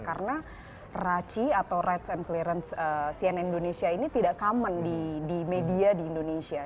karena raci atau rights and clearance cnn indonesia ini tidak common di media di indonesia